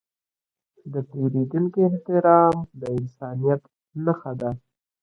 د پیرودونکي احترام د انسانیت نښه ده.